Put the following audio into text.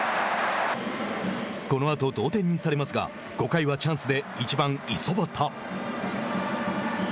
このあと同点にされますが５回はチャンスで、１番五十幡。